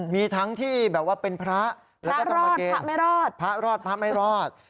มีทั้งที่แบบว่าเป็นพระพระรอดพระไม่รอดพระรอดพระไม่รอด